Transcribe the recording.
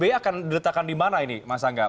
pak sby akan diletakkan dimana ini mas angga